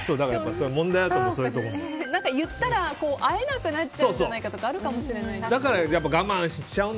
言ったら会えなくなっちゃうんじゃないかとかあるかもしれないですね。